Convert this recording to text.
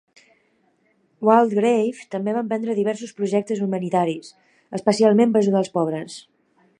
Waldegrave també va emprendre diversos projectes humanitaris, especialment per ajudar els pobres.